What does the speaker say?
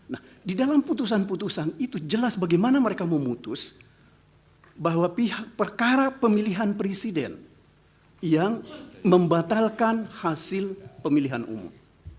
nah di dalam putusan putusan itu jelas bagaimana mereka memutus bahwa perkara pemilihan presiden yang membatalkan hasil pemilihan umum